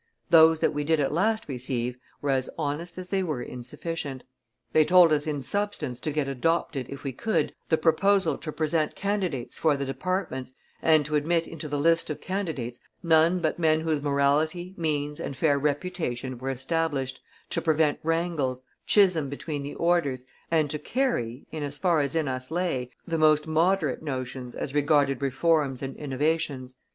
"Those that we did at last receive were as honest as they were insufficient. They told us in substance to get adopted, if we could, the proposal to present candidates for the departments, and to admit into the list of candidates none but men whose morality, means, and fair reputation were established, to prevent wrangles, schism between the orders, and to carry, as far as in us lay, the most moderate notions as regarded reforms and innovations.